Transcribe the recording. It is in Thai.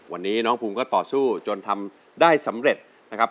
วันนี้น้องภูมิก็ต่อสู้จนทำได้สำเร็จนะครับ